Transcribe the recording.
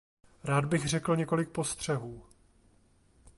Rád bych řekl několik postřehů.